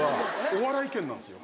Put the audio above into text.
お笑い県なんですよ